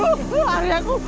aduh hari aku